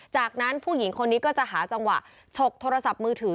จากนั้นผู้หญิงคนนี้ก็จะหาจังหวะฉกโทรศัพท์มือถือ